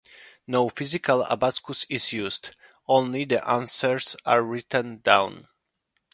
No physical abacus is used; only the answers are written down.